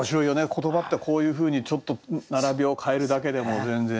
言葉ってこういうふうにちょっと並びを変えるだけでも全然違うし。